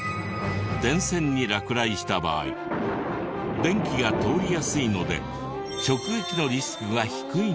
電線に落雷した場合電気が通りやすいので直撃のリスクが低いんだとか。